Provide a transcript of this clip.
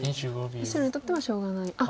白にとってはしょうがない。